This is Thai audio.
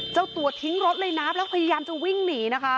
เจ้าตัวทิ้งรถเลยน้ำแล้วพยายามจะวิ่งหนีนะคะ